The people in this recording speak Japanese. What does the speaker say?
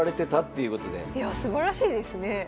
いやあすばらしいですね。